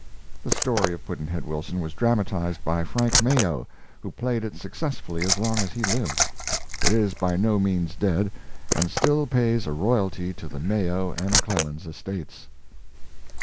[The story of Pudd'nhead Wilson was dramatized by Frank Mayo, who played it successfully as long as he lived. It is by no means dead, and still pays a royalty to the Mayo and Clemens estates.